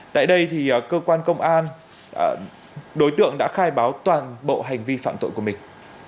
tại đây cơ quan công an đối tượng đã khai báo toàn bộ hành vi phạm tội của mình